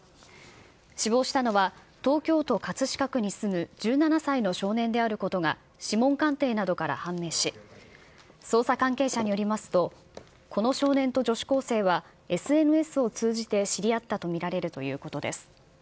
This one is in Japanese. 死亡したのは、東京都葛飾区に住む１７歳の少年であることが、指紋鑑定などから判明し、捜査関係者によりますと、この少年と女子高生はＳＮＳを通じて知り合ったと見られるということです。